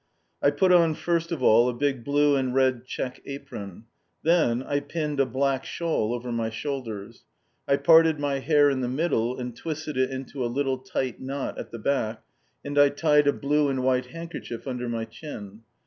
I put on first of all a big blue and red check apron. Then I pinned a black shawl over my shoulders. I parted my hair in the middle and twisted it into a little tight knot at the back, and I tied a blue and white handkerchief under my chin.